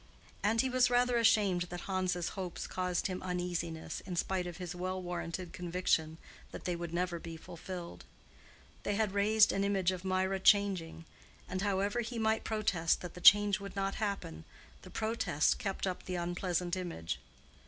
And he was rather ashamed that Hans's hopes caused him uneasiness in spite of his well warranted conviction that they would never be fulfilled. They had raised an image of Mirah changing; and however he might protest that the change would not happen, the protest kept up the unpleasant image.